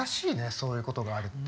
そういうことがあるって。